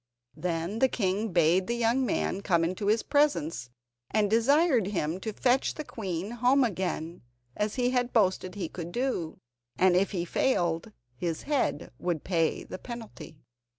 Then the king bade the young man come into his presence, and desired him to fetch the queen home again, as he had boasted he could do. And if he failed, his head would pay the penalty.